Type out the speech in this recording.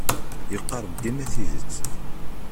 Yeqqar-d dima tidet.